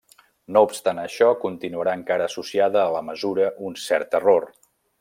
No obstant això, continuarà encara associada a la mesura un cert error.